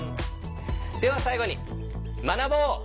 では最後に学ぼう！